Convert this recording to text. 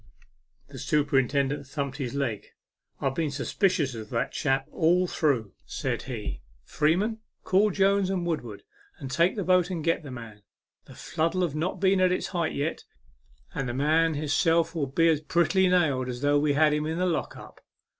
The superintendent thumped his leg. " IVe been suspicious of that chap all through," said A MEMORABLE SWIM. 95 he. " Freeman, call Jones and Woodward, and take the boat and get the man. The flood'll not be at its height yet, and the man himself 11 be as prettily nailed as though we had him in the lock up."